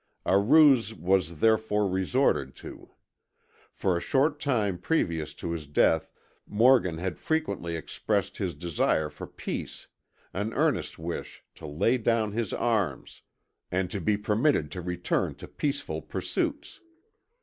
A ruse was, therefore, resorted to. For a short time previous to his death Morgan had frequently expressed his desire for peace, an earnest wish to lay down his arms, and to be permitted to return to peaceful pursuits.